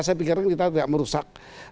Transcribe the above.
saya pikir kita tidak merusak